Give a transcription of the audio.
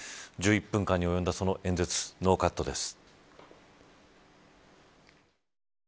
１１分に及んだその演説ノーカットです。